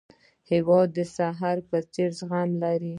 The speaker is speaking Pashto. هېواد د صحرا په څېر زغم لري.